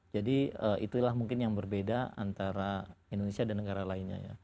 jadi itulah mungkin yang berbeda antara indonesia dan negara lainnya